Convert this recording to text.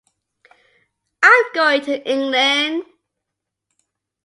I'm going to England.